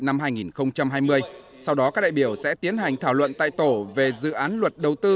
năm hai nghìn hai mươi sau đó các đại biểu sẽ tiến hành thảo luận tại tổ về dự án luật đầu tư